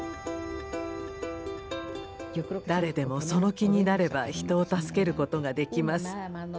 誰でもその気になれば人を助けることができます。